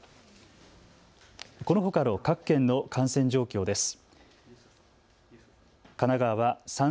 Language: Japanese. このほかの各県の感染状況です。